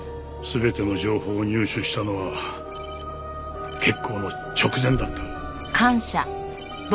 全ての情報を入手したのは決行の直前だった。